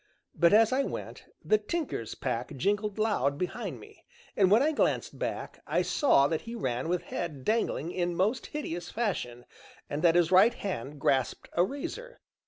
But, as I went, the Tinker's pack jingled loud behind me, and when I glanced back, I saw that he ran with head dangling in most hideous fashion, and that his right hand grasped a razor.